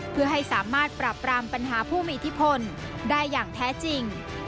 เพื่อให้สามารถปรับรามปัญหาผู้มีอิทธิพลได้อย่างแท้จริง